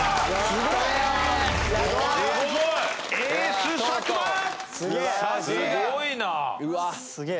すごいな。